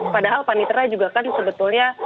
padahal panitera juga kan sebetulnya